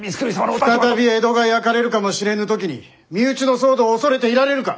再び江戸が焼かれるかもしれぬ時に身内の騒動を恐れていられるか！